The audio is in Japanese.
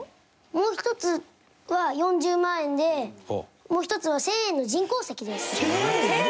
もう１つは４０万円でもう１つは１０００円の人工石です。